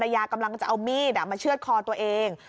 ยากำลังจะเอามีดมาเชื่อดคอตัวเอง